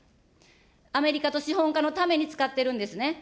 アメリカと資本家のために使ってるんですね。